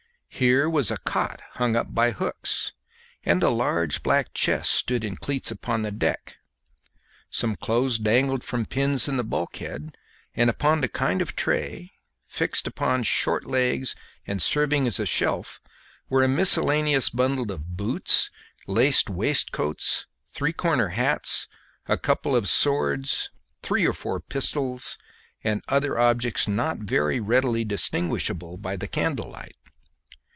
Here was a cot hung up by hooks, and a large black chest stood in cleats upon the deck; some clothes dangled from pins in the bulkhead, and upon a kind of tray fixed upon short legs and serving as a shelf were a miscellaneous bundle of boots, laced waistcoats, three corner hats, a couple of swords, three or four pistols, and other objects not very readily distinguishable by the candle light.